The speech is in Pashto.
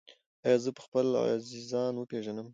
ایا زه به خپل عزیزان وپیژنم؟